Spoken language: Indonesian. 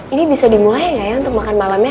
ini bisa dimulain ga ya untuk makan malamnya